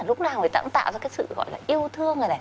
lúc nào người ta cũng tạo ra sự yêu thương